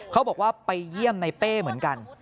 เขาบอกว่าไปเยี่ยมในเป้เหมือนกัน